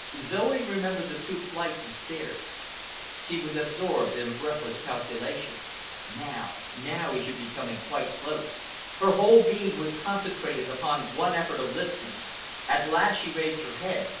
Zoe remembered the two flights of stairs. She was absorbed in a breathless calculation. Now—now he should be coming quite close. Her whole being was concentrated upon one effort of listening. At last she raised her head.